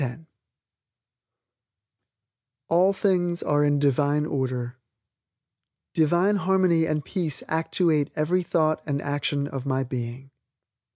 ALL THINGS ARE IN DIVINE ORDER "Divine Harmony and Peace Actuate Every Thought and Action of My Being."